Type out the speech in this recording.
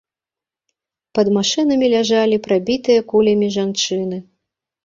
Пад машынамі ляжалі прабітыя кулямі жанчыны.